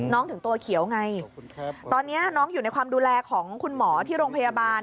ถึงตัวเขียวไงตอนนี้น้องอยู่ในความดูแลของคุณหมอที่โรงพยาบาล